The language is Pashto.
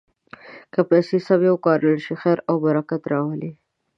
که پیسې سمې وکارول شي، خیر او برکت راولي.